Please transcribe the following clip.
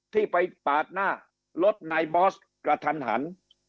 ที่ไปปาดหน้ารถนายบอสกระทันหัน